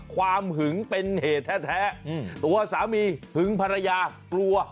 หึงเป็นเหตุแท้ตัวสามีหึงภรรยากลัว